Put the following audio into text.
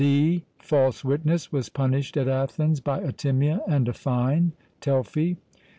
(d) False witness was punished at Athens by atimia and a fine (Telfy).